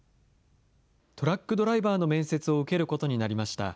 トラックドライバーの面接を受けることになりました。